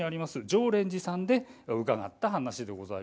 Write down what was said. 乗蓮寺さんで伺った話です。